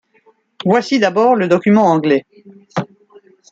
Voici d’abord le document anglais.